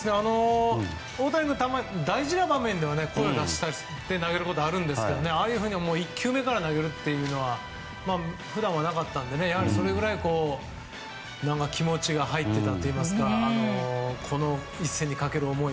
大谷の球、大事な場面では声を出して投げたりもあるんですがああいうふうに１球目から声出して投げるのは普段はなかったんで、それぐらい気持ちが入っていたといいますかこの一戦にかける思い。